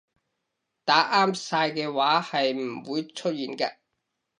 打啱晒嘅話係唔會出現㗎